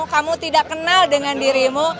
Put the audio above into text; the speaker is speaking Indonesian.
kamu tidak kenal dengan dirimu